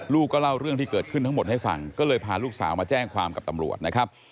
ก็เล่าเรื่องที่เกิดขึ้นทั้งหมดให้ฟังก็เลยพาลูกสาวมาแจ้งความกับตำรวจนะครับ